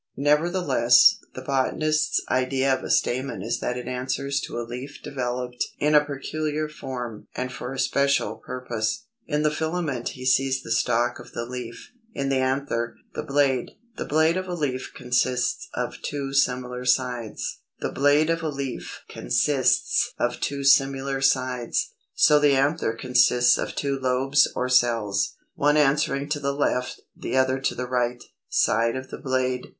Nevertheless, the botanist's idea of a stamen is that it answers to a leaf developed in a peculiar form and for a special purpose. In the filament he sees the stalk of the leaf; in the anther, the blade. The blade of a leaf consists of two similar sides; so the anther consists of two LOBES or CELLS, one answering to the left, the other to the right, side of the blade.